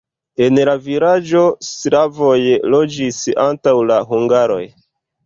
En la vilaĝo slavoj loĝis antaŭ la hungaroj.